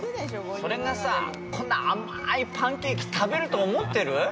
それがさこんな甘いパンケーキ食べると思ってる？